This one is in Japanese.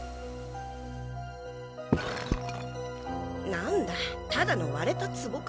何だただのわれたツボか。